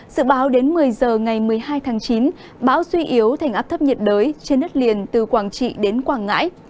sự báo đến một mươi h ngày một mươi hai tháng chín báo suy yếu thành áp thấp nhiệt đới trên đất liền từ quảng trị đến quảng ngãi